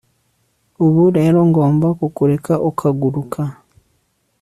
ubu rero ngomba kukureka ukaguruka